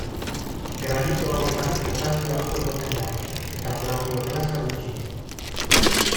Granito hauetan potasio asko egoten da, eta plagioklasa gutxi.